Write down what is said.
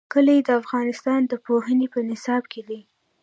کلي د افغانستان د پوهنې په نصاب کې دي.